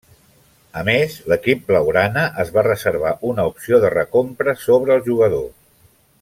A més, l'equip blaugrana es va reservar una opció de recompra sobre el jugador.